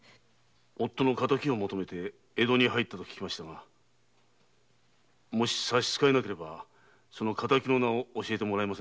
夫の敵を求めて江戸に入ったと聞きましたがもし差し支えなければその敵の名を教えてもらえませんか？